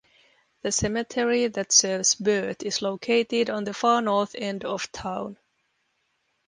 The cemetery that serves Burt is located on the far north end of town.